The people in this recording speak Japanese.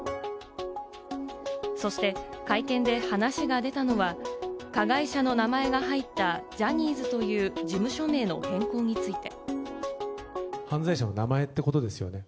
そして会見で話が出たのは加害者の名前が入ったジャニーズという事務所名の変更について。